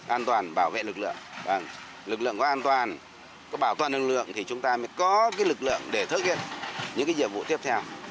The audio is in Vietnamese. an toàn bảo vệ lực lượng có an toàn có bảo toàn lực lượng thì chúng ta mới có lực lượng để thực hiện những nhiệm vụ tiếp theo